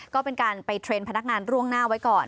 ก็เป็นการไปเทรนด์พนักงานร่วงหน้าไว้ก่อน